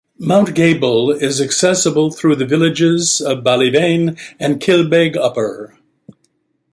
Mount Gable is accessible through the villages of Ballyveane and Kilbeg Upper.